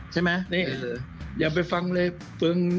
ใช่ไหมนี่อย่าไปฟังเลย